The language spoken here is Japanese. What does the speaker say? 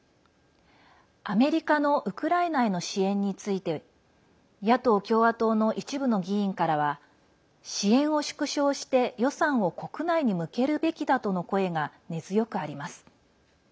アメリカのウクライナへの支援について野党・共和党の一部の議員からは支援を縮小して予算を国内に向けるべきだとの声が根強くあります。